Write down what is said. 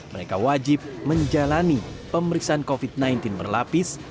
mereka wajib menjalani pemeriksaan covid sembilan belas berlapis